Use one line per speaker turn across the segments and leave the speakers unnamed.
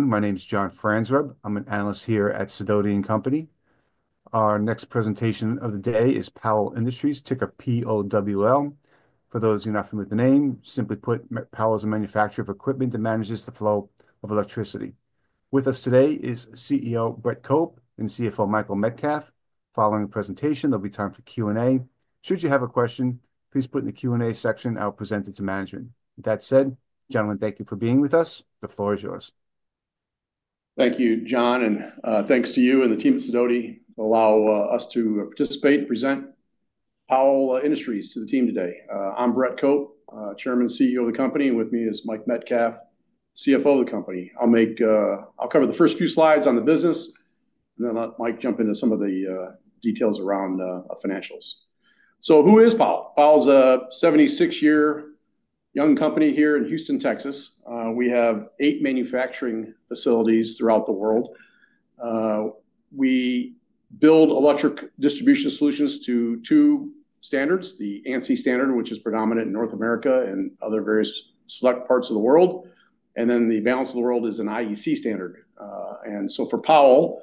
My name is John Franzreb. I'm an Analyst here at Sidoti & Company. Our next presentation of the day is Powell Industries, ticker POWL. For those who are not familiar with the name, simply put, Powell is a manufacturer of equipment that manages the flow of electricity. With us today is CEO Brett Cope and CFO Michael Metcalf. Following the presentation, there'll be time for Q&A. Should you have a question, please put it in the Q&A section. I'll present it to management. That said, gentlemen, thank you for being with us. The floor is yours.
Thank you, John, and thanks to you and the team at Sidoti for allowing us to participate and present Powell Industries to the team today. I'm Brett Cope, Chairman and CEO of the company, and with me is Mike Metcalf, CFO of the company. I'll cover the first few slides on the business, and then let Mike jump into some of the details around financials. So who is Powell? Powell is a 76-year-old young company here in Houston, Texas. We have eight manufacturing facilities throughout the world. We build electric distribution solutions to two standards: the ANSI standard, which is predominant in North America and other various select parts of the world, and then the balance of the world is an IEC standard. And so for Powell,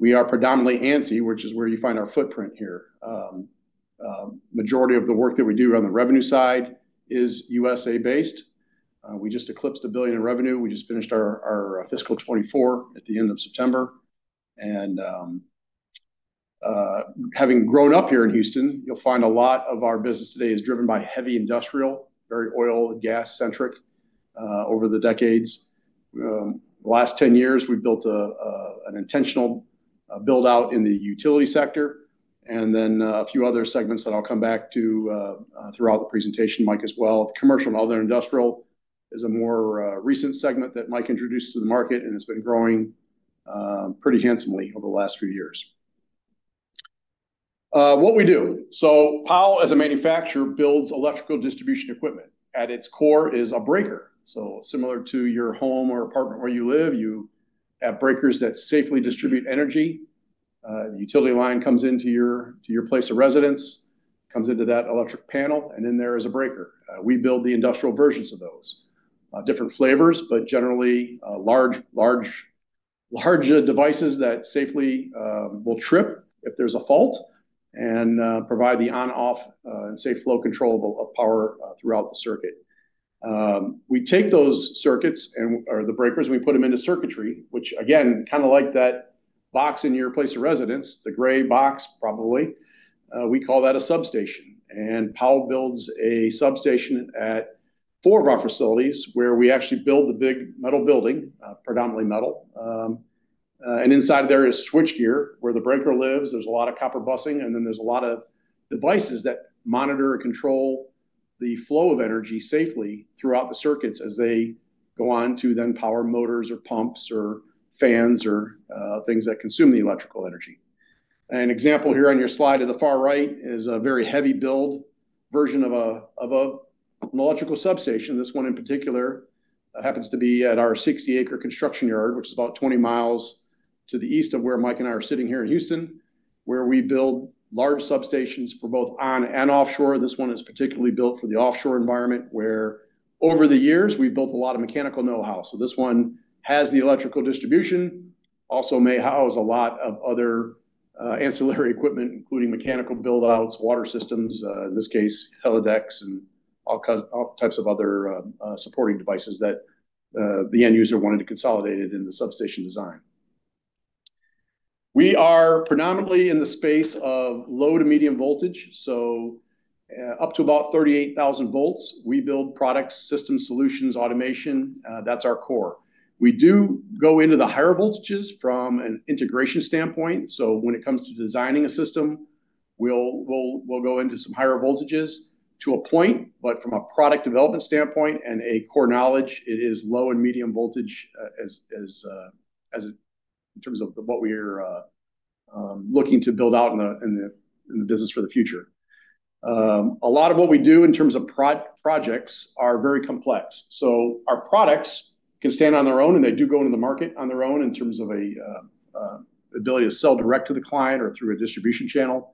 we are predominantly ANSI, which is where you find our footprint here. The majority of the work that we do on the revenue side is U.S.A. based. We just eclipsed $1 billion in revenue. We just finished our fiscal 2024 at the end of September. Having grown up here in Houston, you'll find a lot of our business today is driven by heavy industrial, very oil and gas-centric over the decades. The last 10 years, we've built an intentional build-out in the utility sector and then a few other segments that I'll come back to throughout the presentation, Mike as well. Commercial and other industrial is a more recent segment that Mike introduced to the market, and it's been growing pretty handsomely over the last few years. What we do, so Powell, as a manufacturer, builds electrical distribution equipment. At its core is a breaker. Similar to your home or apartment where you live, you have breakers that safely distribute energy. The utility line comes into your place of residence, comes into that electric panel, and then there is a breaker. We build the industrial versions of those: different flavors, but generally large, larger devices that safely will trip if there's a fault and provide the on-off and safe flow control of power throughout the circuit. We take those circuits or the breakers and we put them into circuitry, which, again, kind of like that box in your place of residence, the gray box probably, we call that a substation. And Powell builds a substation at four of our facilities where we actually build the big metal building, predominantly metal. And inside there is switchgear where the breaker lives. There's a lot of copper busing, and then there's a lot of devices that monitor and control the flow of energy safely throughout the circuits as they go on to then power motors or pumps or fans or things that consume the electrical energy. An example here on your slide to the far right is a very heavy-built version of an electrical substation. This one in particular happens to be at our 60-acre construction yard, which is about 20 mi to the east of where Mike and I are sitting here in Houston, where we build large substations for both on and offshore. This one is particularly built for the offshore environment where over the years we've built a lot of mechanical know-how. So this one has the electrical distribution, also may house a lot of other ancillary equipment, including mechanical buildouts, water systems, in this case, helideck, and all types of other supporting devices that the end user wanted to consolidate in the substation design. We are predominantly in the space of low to medium voltage, so up to about 38,000 volts. We build products, systems, solutions, automation. That's our core. We do go into the higher voltages from an integration standpoint. So when it comes to designing a system, we'll go into some higher voltages to a point, but from a product development standpoint and a core knowledge, it is low and medium voltage in terms of what we are looking to build out in the business for the future. A lot of what we do in terms of projects are very complex. Our products can stand on their own, and they do go into the market on their own in terms of an ability to sell direct to the client or through a distribution channel.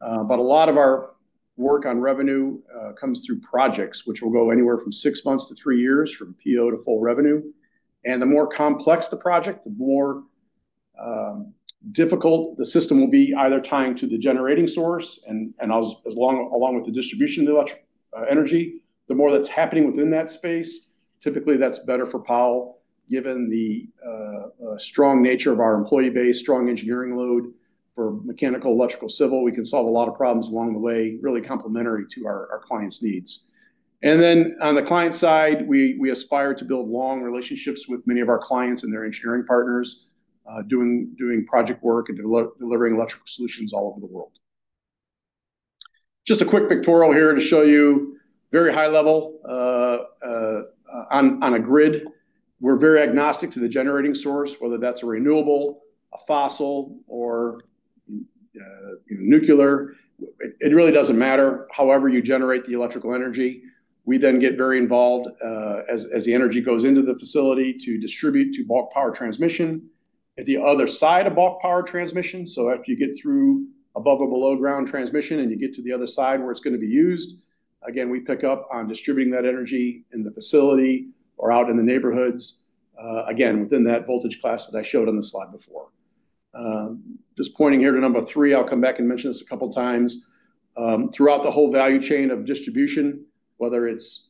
But a lot of our work on revenue comes through projects, which will go anywhere from six months to three years, from PO to full revenue. And the more complex the project, the more difficult the system will be, either tying to the generating source and along with the distribution of the electric energy, the more that's happening within that space. Typically, that's better for Powell, given the strong nature of our employee base, strong engineering load for mechanical, electrical, civil. We can solve a lot of problems along the way, really complementary to our client's needs. Then on the client side, we aspire to build long relationships with many of our clients and their engineering partners doing project work and delivering electrical solutions all over the world. Just a quick pictorial here to show you very high level on a grid. We're very agnostic to the generating source, whether that's a renewable, a fossil, or nuclear. It really doesn't matter, however you generate the electrical energy. We then get very involved as the energy goes into the facility to distribute to bulk power transmission at the other side of bulk power transmission. So after you get through above or below ground transmission and you get to the other side where it's going to be used, again, we pick up on distributing that energy in the facility or out in the neighborhoods, again, within that voltage class that I showed on the slide before. Just pointing here to number three, I'll come back and mention this a couple of times. Throughout the whole value chain of distribution, whether it's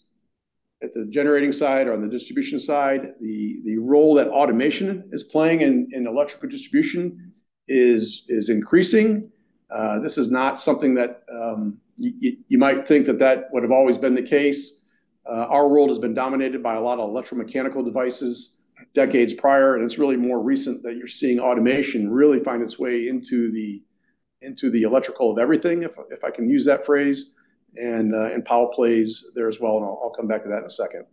at the generating side or on the distribution side, the role that automation is playing in electrical distribution is increasing. This is not something that you might think that that would have always been the case. Our world has been dominated by a lot of electromechanical devices decades prior, and it's really more recent that you're seeing automation really find its way into the electrical of everything, if I can use that phrase. And Powell plays there as well, and I'll come back to that in a second.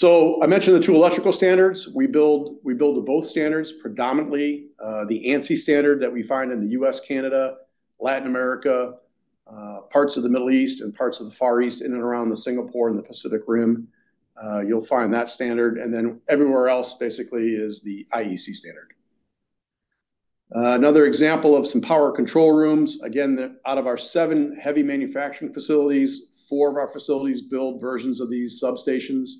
So I mentioned the two electrical standards. We build to both standards, predominantly the ANSI standard that we find in the U.S., Canada, Latin America, parts of the Middle East, and parts of the Far East in and around the Singapore and the Pacific Rim. You'll find that standard, and then everywhere else basically is the IEC standard. Another example of some power control rooms. Again, out of our seven heavy manufacturing facilities, four of our facilities build versions of these substations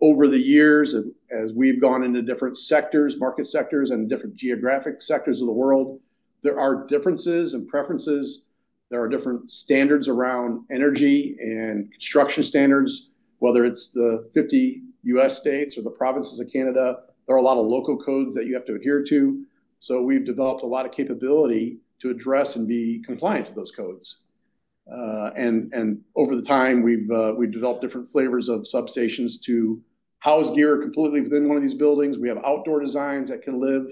over the years. As we've gone into different sectors, market sectors, and different geographic sectors of the world, there are differences and preferences. There are different standards around energy and construction standards, whether it's the 50 U.S. states or the provinces of Canada. There are a lot of local codes that you have to adhere to. So we've developed a lot of capability to address and be compliant to those codes. And over the time, we've developed different flavors of substations to house gear completely within one of these buildings. We have outdoor designs that can live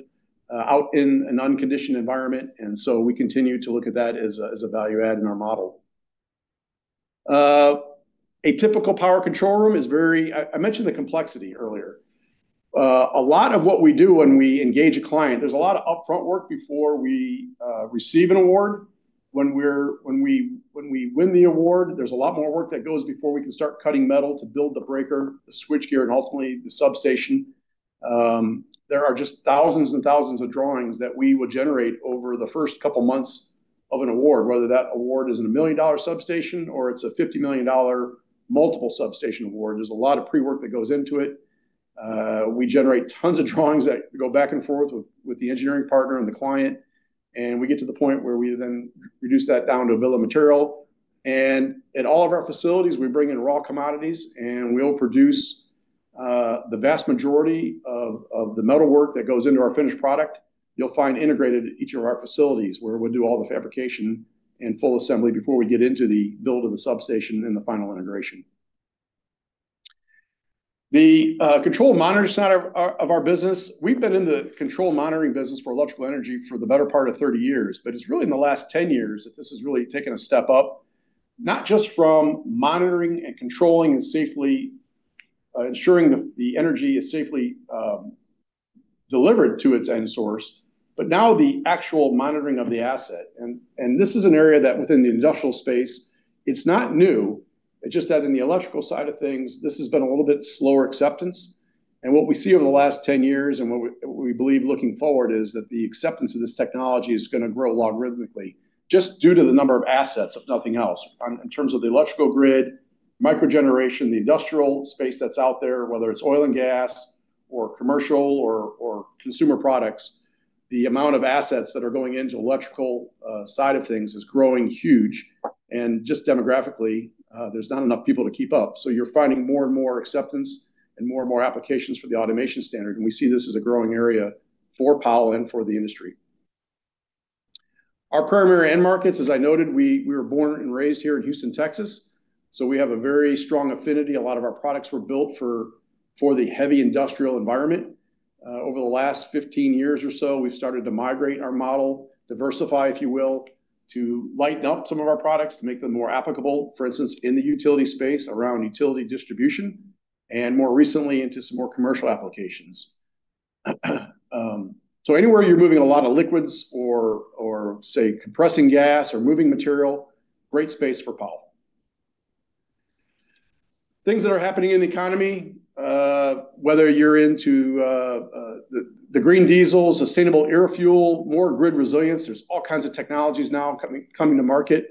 out in an unconditioned environment. And so we continue to look at that as a value add in our model. A typical power control room is very, I mentioned the complexity earlier. A lot of what we do when we engage a client, there's a lot of upfront work before we receive an award. When we win the award, there's a lot more work that goes before we can start cutting metal to build the breaker, the switchgear, and ultimately the substation. There are just thousands and thousands of drawings that we will generate over the first couple of months of an award, whether that award is in a million-dollar substation or it's a $50 million multiple substation award. There's a lot of pre-work that goes into it. We generate tons of drawings that go back and forth with the engineering partner and the client. And we get to the point where we then reduce that down to a bill of material. And at all of our facilities, we bring in raw commodities, and we'll produce the vast majority of the metal work that goes into our finished product. You'll find integrated at each of our facilities where we'll do all the fabrication and full assembly before we get into the build of the substation and the final integration. The control and monitoring side of our business. We've been in the control and monitoring business for electrical energy for the better part of 30 years, but it's really in the last 10 years that this has really taken a step up, not just from monitoring and controlling and safely ensuring the energy is safely delivered to its end source, but now the actual monitoring of the asset, and this is an area that, within the industrial space, it's not new. It's just that in the electrical side of things, this has been a little bit slower acceptance. And what we see over the last 10 years and what we believe looking forward is that the acceptance of this technology is going to grow logarithmically just due to the number of assets, if nothing else, in terms of the electrical grid, microgeneration, the industrial space that's out there, whether it's oil and gas or commercial or consumer products. The amount of assets that are going into the electrical side of things is growing huge. And just demographically, there's not enough people to keep up. So you're finding more and more acceptance and more and more applications for the automation standard. And we see this as a growing area for Powell and for the industry. Our primary end markets, as I noted. We were born and raised here in Houston, Texas. So we have a very strong affinity. A lot of our products were built for the heavy industrial environment. Over the last 15 years or so, we've started to migrate our model, diversify, if you will, to lighten up some of our products to make them more applicable, for instance, in the utility space around utility distribution and more recently into some more commercial applications. So anywhere you're moving a lot of liquids or, say, compressing gas or moving material, great space for Powell. Things that are happening in the economy, whether you're into the green diesel, sustainable aviation fuel, more grid resilience, there's all kinds of technologies now coming to market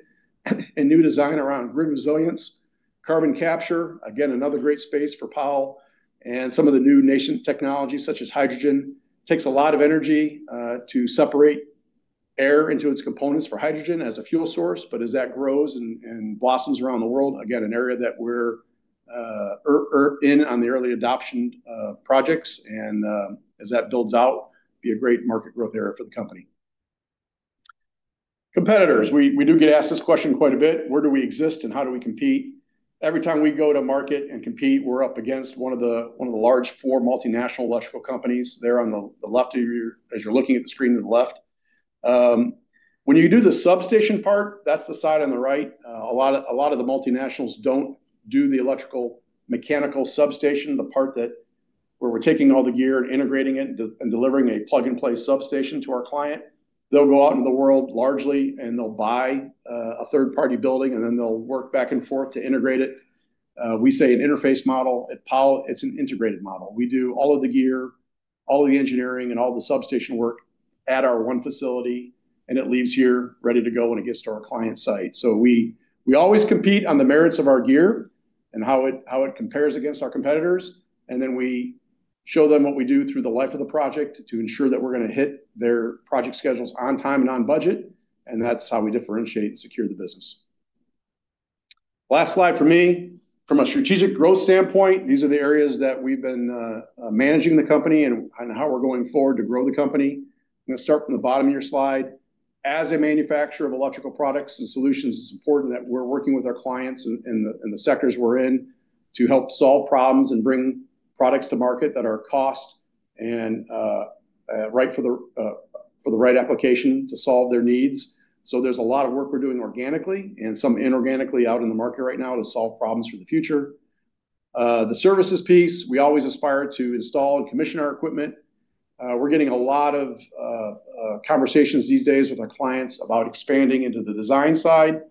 and new design around grid resilience, carbon capture, again, another great space for Powell. Some of the new energy technologies such as hydrogen takes a lot of energy to separate air into its components for hydrogen as a fuel source. But as that grows and blossoms around the world, again, an area that we're in on the early adoption projects and as that builds out, be a great market growth area for the company. Competitors. We do get asked this question quite a bit. Where do we exist and how do we compete? Every time we go to market and compete, we're up against one of the large four multinational electrical companies. They're on the left as you're looking at the screen to the left. When you do the substation part, that's the side on the right. A lot of the multinationals don't do the electromechanical substation, the part where we're taking all the gear and integrating it and delivering a plug-and-play substation to our client. They'll go out into the world largely, and they'll buy a third-party building, and then they'll work back and forth to integrate it. We have an integrated model at Powell. It's an integrated model. We do all of the gear, all of the engineering, and all the substation work at our one facility, and it leaves here ready to go when it gets to our client site. So we always compete on the merits of our gear and how it compares against our competitors. And then we show them what we do through the life of the project to ensure that we're going to hit their project schedules on time and on budget. And that's how we differentiate and secure the business. Last slide for me. From a strategic growth standpoint, these are the areas that we've been managing the company and how we're going forward to grow the company. I'm going to start from the bottom of your slide. As a manufacturer of electrical products and solutions, it's important that we're working with our clients in the sectors we're in to help solve problems and bring products to market that are cost and right for the right application to solve their needs. So there's a lot of work we're doing organically and some inorganically out in the market right now to solve problems for the future. The services piece, we always aspire to install and commission our equipment. We're getting a lot of conversations these days with our clients about expanding into the design side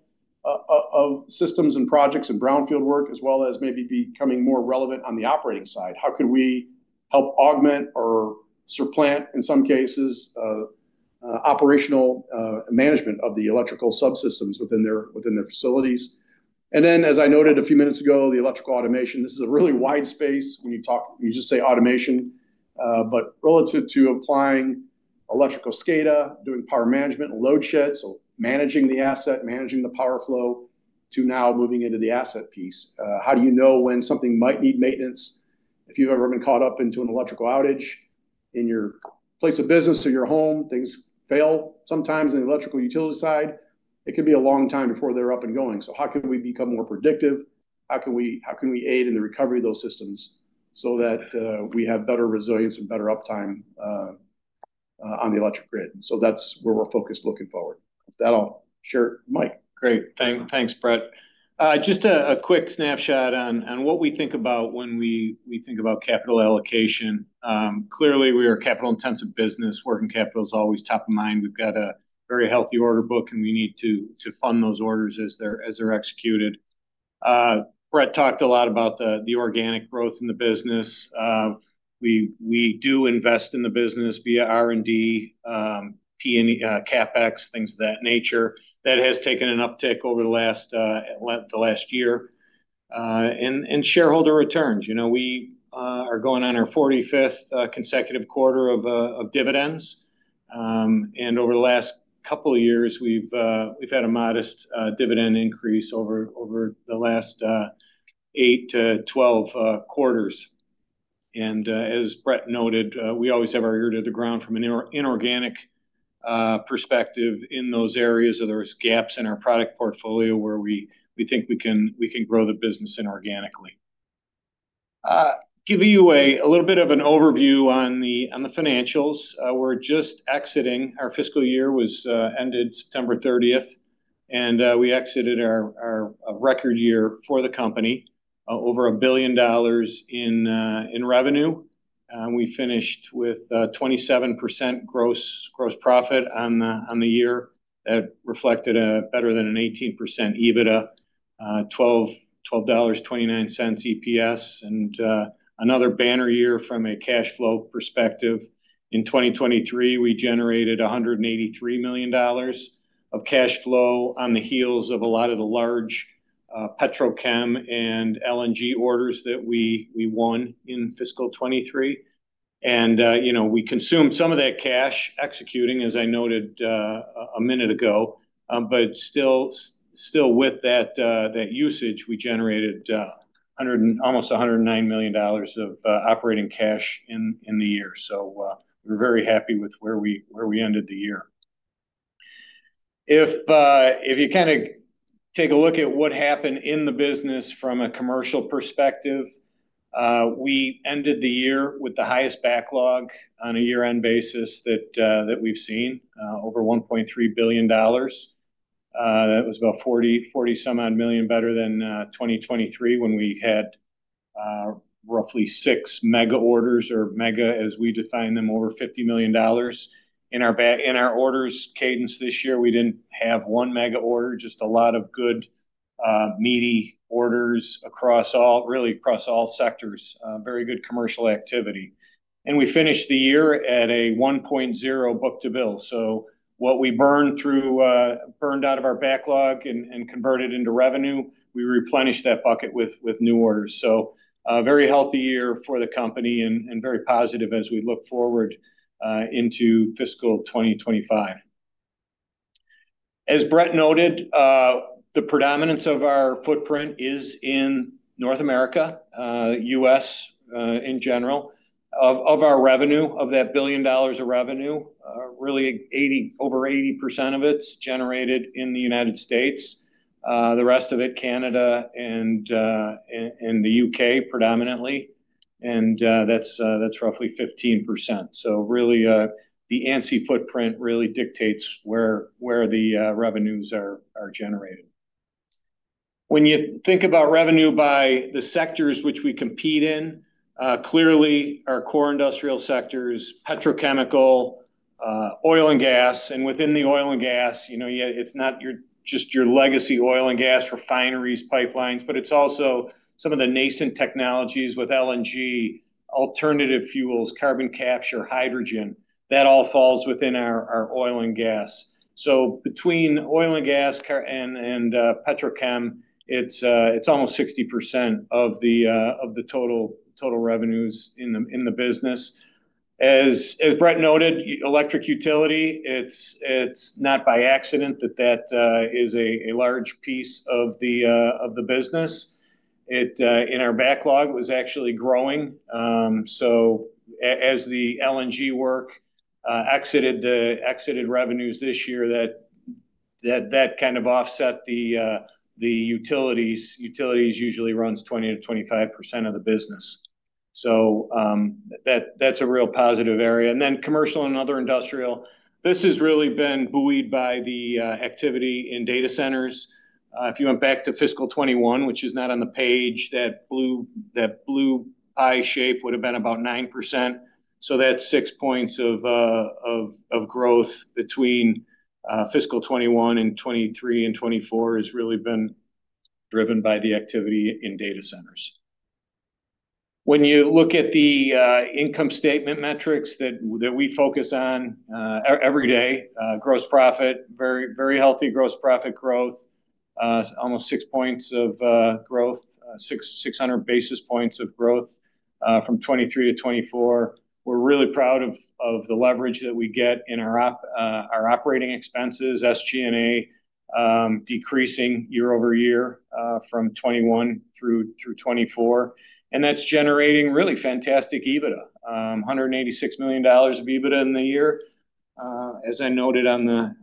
of systems and projects and brownfield work, as well as maybe becoming more relevant on the operating side. How could we help augment or supplant, in some cases, operational management of the electrical subsystems within their facilities? And then, as I noted a few minutes ago, the electrical automation. This is a really wide space. When you just say automation, but relative to applying electrical SCADA, doing power management and load shed, so managing the asset, managing the power flow to now moving into the asset piece. How do you know when something might need maintenance? If you've ever been caught up into an electrical outage in your place of business or your home, things fail sometimes in the electrical utility side. It can be a long time before they're up and going, so how can we become more predictive? How can we aid in the recovery of those systems so that we have better resilience and better uptime on the electric grid, so that's where we're focused looking forward. That'll share Mike.
Great. Thanks, Brett. Just a quick snapshot on what we think about when we think about capital allocation. Clearly, we are a capital-intensive business. Working capital is always top of mind. We've got a very healthy order book, and we need to fund those orders as they're executed. Brett talked a lot about the organic growth in the business. We do invest in the business via R&D, CapEx, things of that nature. That has taken an uptick over the last year. And shareholder returns. We are going on our 45th consecutive quarter of dividends. And over the last couple of years, we've had a modest dividend increase over the last 8-12 quarters. And as Brett noted, we always have our ear to the ground from an inorganic perspective in those areas where there are gaps in our product portfolio where we think we can grow the business inorganically. Give you a little bit of an overview on the financials. We're just exiting. Our fiscal year ended September 30th, and we exited our record year for the company over $1 billion in revenue. We finished with 27% gross profit on the year that reflected better than an 18% EBITDA, $12.29 EPS, and another banner year from a cash flow perspective. In 2023, we generated $183 million of cash flow on the heels of a lot of the large petrochem and LNG orders that we won in fiscal 2023, and we consumed some of that cash executing, as I noted a minute ago, but still with that usage, we generated almost $109 million of operating cash in the year, so we're very happy with where we ended the year. If you kind of take a look at what happened in the business from a commercial perspective, we ended the year with the highest backlog on a year-end basis that we've seen, over $1.3 billion. That was about 40-some-odd million better than 2023 when we had roughly six mega orders or mega, as we define them, over $50 million. In our orders cadence this year, we didn't have one mega order, just a lot of good, meaty orders really across all sectors, very good commercial activity, and we finished the year at a 1.0 book-to-bill, so what we burned out of our backlog and converted into revenue, we replenished that bucket with new orders, so a very healthy year for the company and very positive as we look forward into fiscal 2025. As Brett noted, the predominance of our footprint is in North America, U.S. in general. Of our revenue, of that $1 billion of revenue, really over 80% of it's generated in the United States. The rest of it, Canada and the U.K., predominantly, and that's roughly 15%, so really, the ANSI footprint really dictates where the revenues are generated. When you think about revenue by the sectors which we compete in, clearly, our core industrial sectors, petrochemical, oil and gas, and within the oil and gas, it's not just your legacy oil and gas refineries, pipelines, but it's also some of the nascent technologies with LNG, alternative fuels, carbon capture, hydrogen. That all falls within our oil and gas, so between oil and gas and petrochem, it's almost 60% of the total revenues in the business. As Brett noted, electric utility, it's not by accident that that is a large piece of the business. In our backlog, it was actually growing. So as the LNG work exited revenues this year, that kind of offset the utilities. Utilities usually runs 20%-25% of the business. So that's a real positive area. And then commercial and other industrial, this has really been buoyed by the activity in data centers. If you went back to fiscal 2021, which is not on the page, that blue pie shape would have been about 9%. So that's six points of growth between fiscal 2021 and 2023 and 2024 has really been driven by the activity in data centers. When you look at the income statement metrics that we focus on every day, gross profit, very healthy gross profit growth, almost six points of growth, 600 basis points of growth from 2023 to 2024. We're really proud of the leverage that we get in our operating expenses, SG&A decreasing year-over-year from 2021 through 2024. That's generating really fantastic EBITDA, $186 million of EBITDA in the year. As I noted on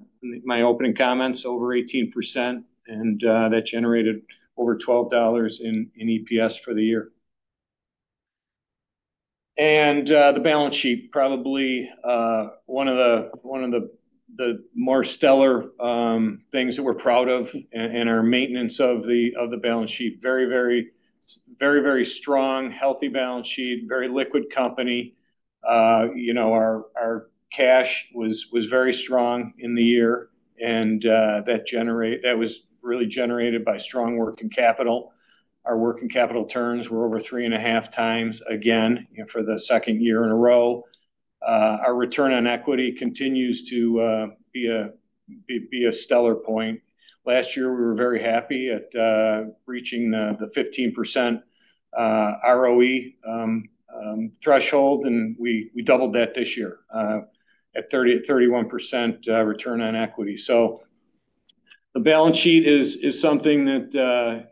my opening comments, over 18%. And that generated over $12 in EPS for the year. And the balance sheet, probably one of the more stellar things that we're proud of in our maintenance of the balance sheet, very, very, very, very strong, healthy balance sheet, very liquid company. Our cash was very strong in the year. And that was really generated by strong working capital. Our working capital turns were over three and a half times again for the second year in a row. Our return on equity continues to be a stellar point. Last year, we were very happy at reaching the 15% ROE threshold, and we doubled that this year at 31% return on equity. The balance sheet is something that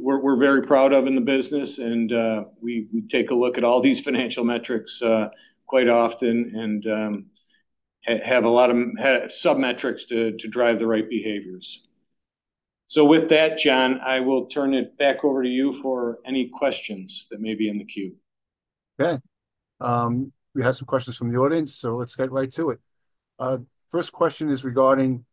we're very proud of in the business. We take a look at all these financial metrics quite often and have a lot of sub-metrics to drive the right behaviors. With that, John, I will turn it back over to you for any questions that may be in the queue.
Okay. We have some questions from the audience, so let's get right to it. First question is regarding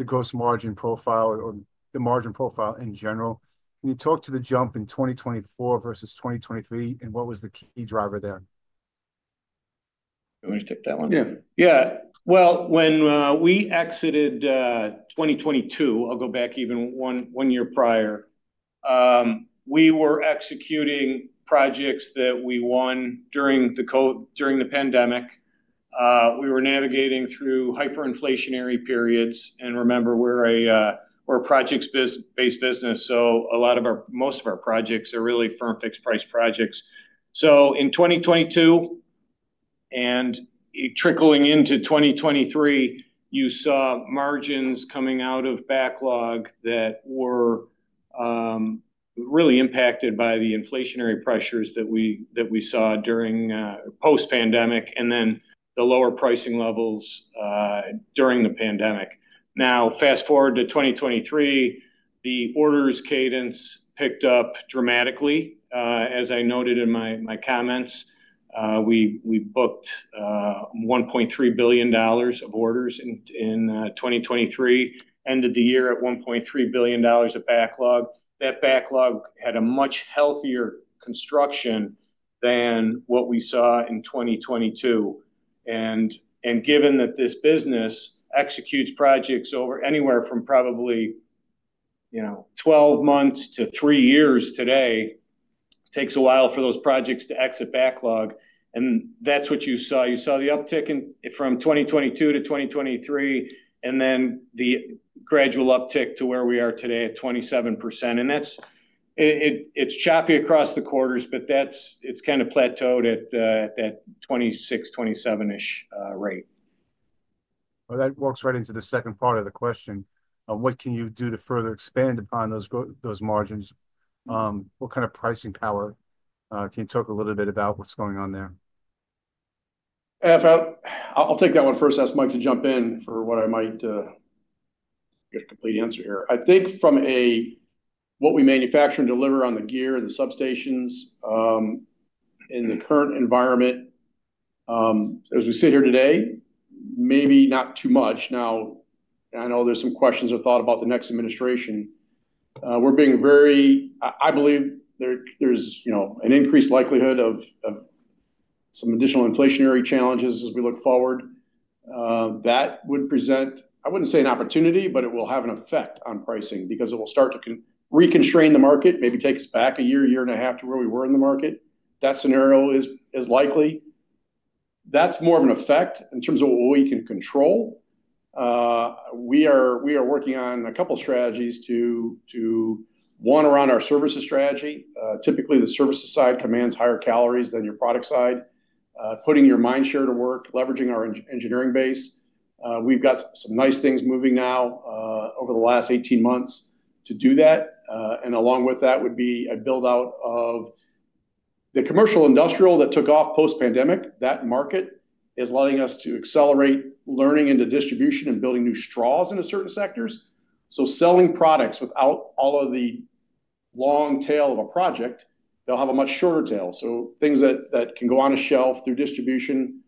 the gross margin profile or the margin profile in general. Can you talk to the jump in 2024 versus 2023, and what was the key driver there?
You want to take that one?
Yeah. Yeah. When we exited 2022, I'll go back even one year prior, we were executing projects that we won during the pandemic. We were navigating through hyperinflationary periods. Remember, we're a projects-based business, so a lot of our projects are really firm fixed-price projects. In 2022 and trickling into 2023, you saw margins coming out of backlog that were really impacted by the inflationary pressures that we saw post-pandemic and then the lower pricing levels during the pandemic. Now, fast forward to 2023, the orders cadence picked up dramatically. As I noted in my comments, we booked $1.3 billion of orders in 2023, ended the year at $1.3 billion of backlog. That backlog had a much healthier construction than what we saw in 2022. Given that this business executes projects anywhere from probably 12 months to three years today, it takes a while for those projects to exit backlog. That's what you saw. You saw the uptick from 2022 to 2023, and then the gradual uptick to where we are today at 27%. It's choppy across the quarters, but it's kind of plateaued at that 26%-27%-ish rate.
That walks right into the second part of the question. What can you do to further expand upon those margins? What kind of pricing power? Can you talk a little bit about what's going on there?
I'll take that one first. Ask Mike to jump in for what I might get a complete answer here. I think from what we manufacture and deliver on the gear and the substations in the current environment, as we sit here today, maybe not too much. Now, I know there's some questions or thought about the next administration. We're being very. I believe there's an increased likelihood of some additional inflationary challenges as we look forward. That would present. I wouldn't say an opportunity, but it will have an effect on pricing because it will start to reconstrain the market, maybe take us back a year, a year and a half to where we were in the market. That scenario is likely. That's more of an effect in terms of what we can control. We are working on a couple of strategies to, one, around our services strategy. Typically, the services side commands higher margins than your product side. Putting your mind share to work, leveraging our engineering base. We've got some nice things moving now over the last 18 months to do that. Along with that would be a build-out of the commercial industrial that took off post-pandemic. That market is letting us to accelerate learning into distribution and building new straws in certain sectors. So selling products without all of the long tail of a project, they'll have a much shorter tail. So things that can go on a shelf through distribution,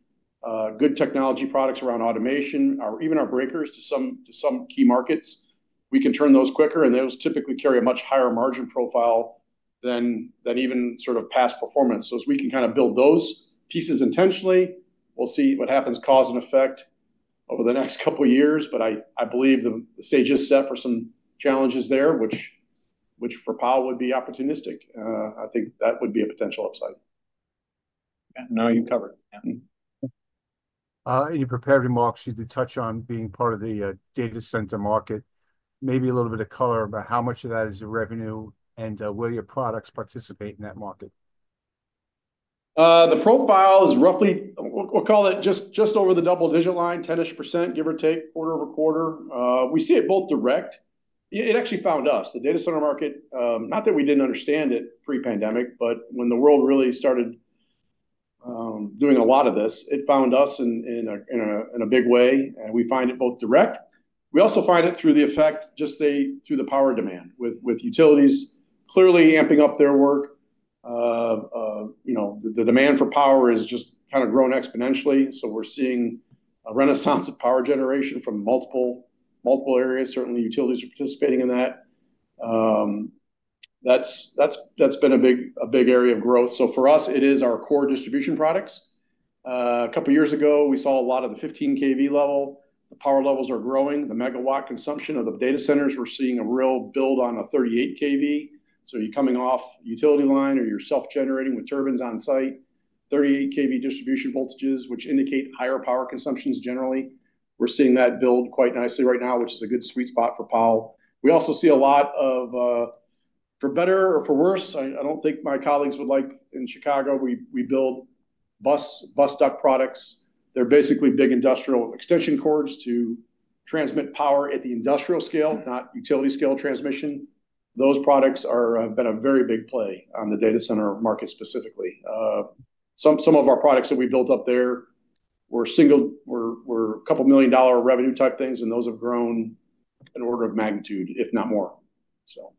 good technology products around automation, or even our breakers to some key markets, we can turn those quicker, and those typically carry a much higher margin profile than even sort of past performance. So as we can kind of build those pieces intentionally, we'll see what happens, cause and effect over the next couple of years. But I believe the stage is set for some challenges there, which for Powell would be opportunistic. I think that would be a potential upside.
Yeah. No, you covered it.
In your prepared remarks, you did touch on being part of the data center market. Maybe a little bit of color about how much of that is the revenue and where your products participate in that market.
The profile is roughly, we'll call it just over the double-digit line, 10-ish%, give or take, quarter-over-quarter. We see it both direct. It actually found us, the data center market, not that we didn't understand it pre-pandemic, but when the world really started doing a lot of this, it found us in a big way, and we find it both direct. We also find it through the effect, just through the power demand, with utilities clearly amping up their work. The demand for power has just kind of grown exponentially, so we're seeing a renaissance of power generation from multiple areas. Certainly, utilities are participating in that. That's been a big area of growth, so for us, it is our core distribution products. A couple of years ago, we saw a lot of the 15 kV level. The power levels are growing. The megawatt consumption of the data centers, we're seeing a real build on a 38 kV. So you're coming off utility line or you're self-generating with turbines on site, 38 kV distribution voltages, which indicate higher power consumptions generally. We're seeing that build quite nicely right now, which is a good sweet spot for Powell. We also see a lot of, for better or for worse, I don't think my colleagues would like in Chicago, we build bus duct products. They're basically big industrial extension cords to transmit power at the industrial scale, not utility scale transmission. Those products have been a very big play on the data center market specifically. Some of our products that we built up there were a couple of million-dollar revenue type things, and those have grown an order of magnitude, if not more, so.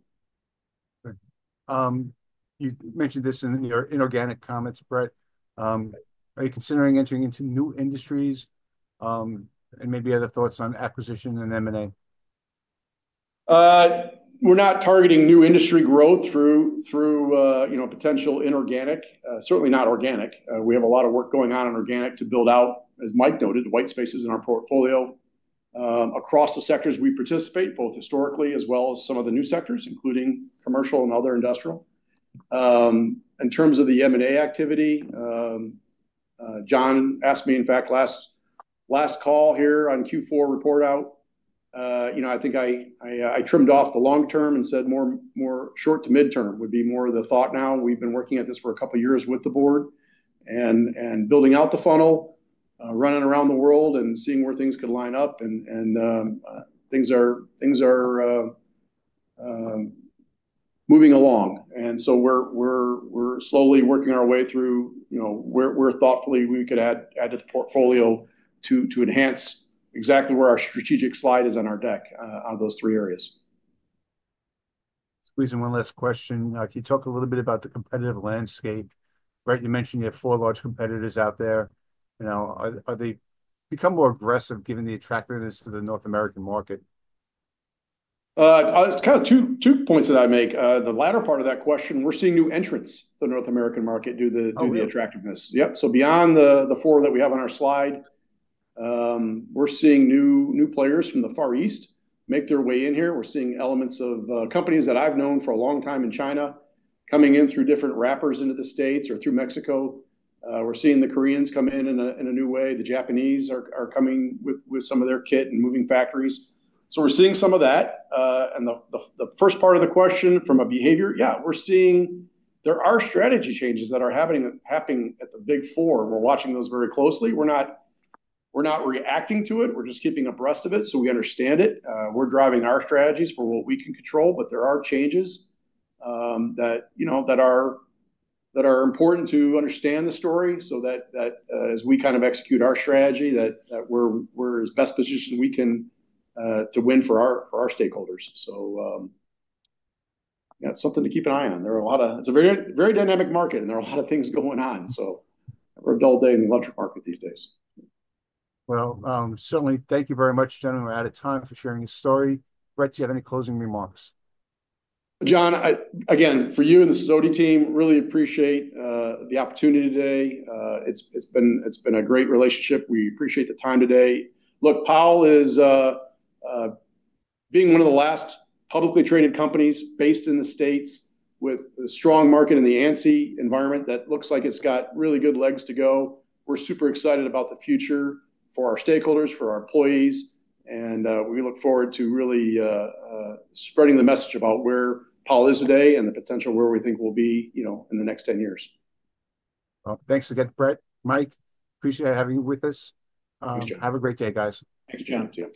You mentioned this in your inorganic comments, Brett. Are you considering entering into new industries and maybe other thoughts on acquisition and M&A?
We're not targeting new industry growth through potential inorganic, certainly not organic. We have a lot of work going on in organic to build out, as Mike noted, white spaces in our portfolio across the sectors we participate, both historically as well as some of the new sectors, including commercial and other industrial. In terms of the M&A activity, John asked me, in fact, last call here on Q4 report out. I think I trimmed off the long term and said more short- to midterm would be more of the thought now. We've been working at this for a couple of years with the board and building out the funnel, running around the world and seeing where things could line up. And things are moving along. And so we're slowly working our way through where thoughtfully we could add to the portfolio to enhance exactly where our strategic slide is on our deck out of those three areas.
Excuse me, one last question. Can you talk a little bit about the competitive landscape? You mentioned you have four large competitors out there. Are they becoming more aggressive given the attractiveness to the North American market?
It's kind of two points that I make. The latter part of that question, we're seeing new entrants to the North American market due to the attractiveness.
Yep.
So beyond the four that we have on our slide, we're seeing new players from the Far East make their way in here. We're seeing elements of companies that I've known for a long time in China coming in through different wrappers into the States or through Mexico. We're seeing the Koreans come in in a new way. The Japanese are coming with some of their kit and moving factories. So we're seeing some of that. And the first part of the question from a behavior, yeah, we're seeing there are strategy changes that are happening at the Big Four. We're watching those very closely. We're not reacting to it. We're just keeping abreast of it. So we understand it. We're driving our strategies for what we can control. But there are changes that are important to understand the story so that as we kind of execute our strategy, that we're as best positioned we can to win for our stakeholders. So yeah, it's something to keep an eye on. There are a lot of. It's a very dynamic market, and there are a lot of things going on. So there are no dull days in the electric market these days.
Well, certainly, thank you very much, gentlemen. We're out of time for sharing your story. Brett, do you have any closing remarks?
John, again, for you and the Sidoti team, really appreciate the opportunity today. It's been a great relationship. We appreciate the time today. Look, Powell is one of the last publicly traded companies based in the States with a strong market in the ANSI environment that looks like it's got really good legs to go. We're super excited about the future for our stakeholders, for our employees. And we look forward to really spreading the message about where Powell is today and the potential where we think we'll be in the next 10 years.
Well, thanks again, Brett. Mike, appreciate having you with us. Have a great day, guys.
Thanks, John.